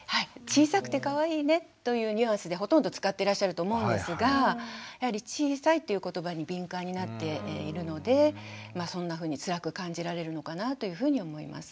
小さくてかわいいねというニュアンスでほとんど使ってらっしゃると思うんですがやはり「小さい」という言葉に敏感になっているのでそんなふうにつらく感じられるのかなというふうに思います。